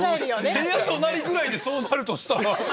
部屋隣ぐらいでそうなるとしたら。